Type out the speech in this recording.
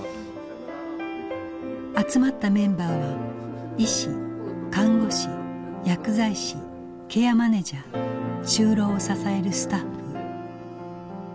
集まったメンバーは医師看護師薬剤師ケアマネジャー就労を支えるスタッフ。